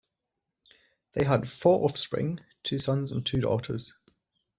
They had four offspring, two sons and two daughters.